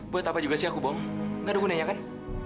buat apa juga sih aku bohong gak dukunainya kan